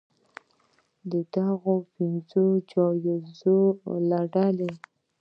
د دغو پنځو جایزو له ډلې